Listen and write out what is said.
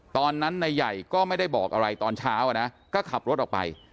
ตอนนั้นนายใหญ่ก็ไม่ได้บอกอะไรตอนเช้าอ่ะนะก็ขับรถออกไป